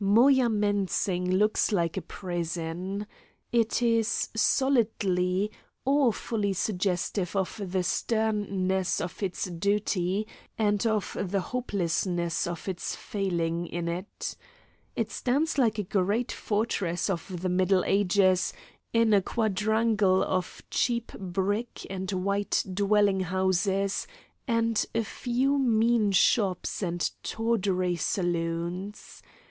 Moyamensing looks like a prison. It is solidly, awfully suggestive of the sternness of its duty and of the hopelessness of its failing in it. It stands like a great fortress of the Middle Ages in a quadrangle of cheap brick and white dwelling houses, and a few mean shops and tawdry saloons.